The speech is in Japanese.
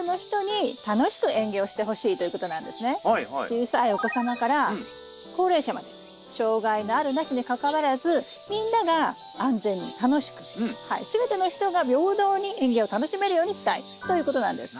小さいお子様から高齢者まで障害のあるなしに関わらずみんなが安全に楽しくすべての人が平等に園芸を楽しめるようにしたいということなんです。